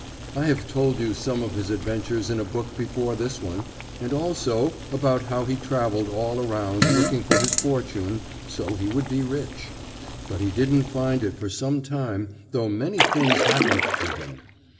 I have told you some of his adventures in a book before this one, and also about how he traveled all around looking for his fortune, so he would be rich. But he didn't find it for some time, though many things happened to him.